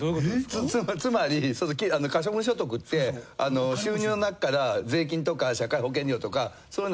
つまり可処分所得って収入のなかから税金とか社会保険料とかそういうの。